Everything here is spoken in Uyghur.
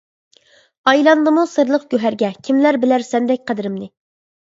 ئايلاندىمۇ سىرلىق گۆھەرگە، كىملەر بىلەر سەندەك قەدرىمنى.